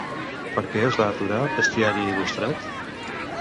Per què es va aturar "Bestiari il·lustrat"?